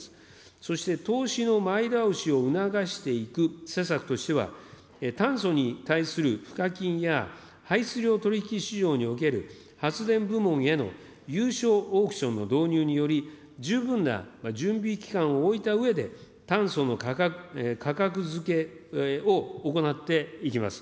そして投資の前倒しを促していく施策としては、炭素に対する賦課金や、排出量取り引き市場における発電部門へのゆうしょうオークションの導入により、十分な準備期間を置いたうえで、炭素の価格付けを行っていきます。